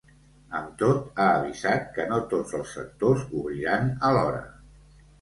Amb tot, ha avisat que no tots els sectors obriran alhora.